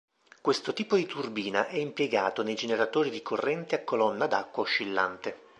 Questo tipo di turbina è impiegato nei generatori di corrente a colonna d'acqua oscillante.